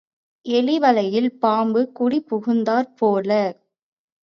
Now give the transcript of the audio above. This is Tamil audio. எலி வளையில் பாம்பு குடிபுகுந்தாற் போல.